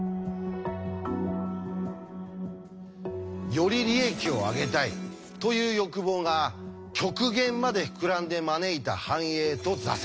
より利益をあげたいという欲望が極限まで膨らんで招いた繁栄と挫折。